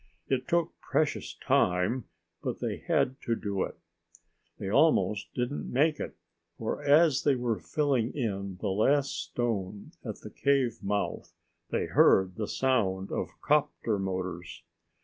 It took precious time, but they had to do it. They almost didn't make it, for as they were filling in the last stone at the cave mouth they heard the sound of 'copter motors.